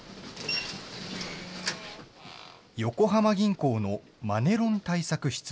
横浜銀行のマネロン対策室。